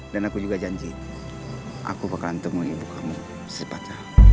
dan aku juga janji aku akan temui ibu kamu sepacah